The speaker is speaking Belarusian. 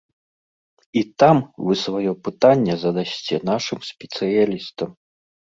І там вы сваё пытанне задасце нашым спецыялістам.